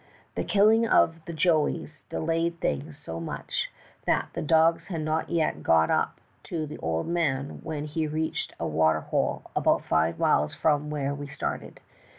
The killing of the joeys delayed things so much that the dogs had not yet got up to the old man when he reached a water hole, about five miles from where we started.